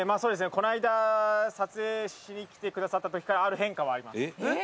この間撮影しにきてくださった時からある変化はあります